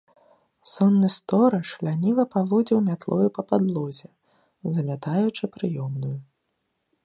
Сонны стораж ляніва паводзіў мятлою па падлозе, замятаючы прыёмную.